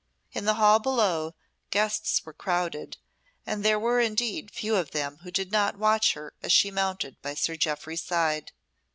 In the hall below guests were crowded, and there were indeed few of them who did not watch her as she mounted by Sir Jeoffry's side.